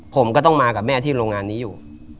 ผมก็ต้องมากับแม่ที่โรงงานนี้อยู่